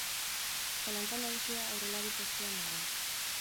Zalantza nagusia aurrelari-postuan dago.